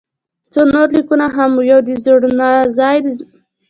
څو نور لیکونه هم وو، یو د خوړنځای د زمري بدخونده لیک وو.